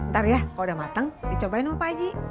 ntar ya kalau udah matang dicobain sama pak haji